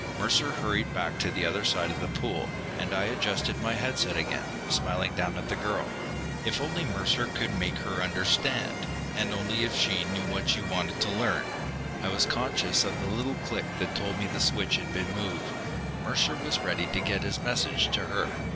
Mercer hurried back to the other side of the pool, and I adjusted my head set again, smiling down at the girl. If only Mercer could make her understand, and if only she knew what we wanted to learn! I was conscious of the little click that told me the switch had been moved. Mercer was ready to get his message to her.